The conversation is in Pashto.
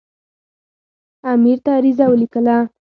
امیر ته عریضه ولیکله.